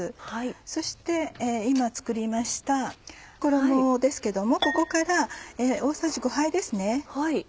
そして今作りました衣ですけどもここから大さじ５杯ですね。